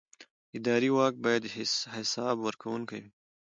اداري واک باید حساب ورکوونکی وي.